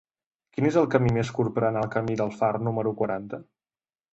Quin és el camí més curt per anar al camí del Far número quaranta?